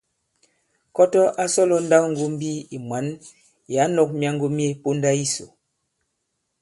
Kɔtɔ a sɔ̀lɔ nndawŋgōmbi ì mwǎn ì ǎ nɔ̄k myaŋgo mye ponda yisò.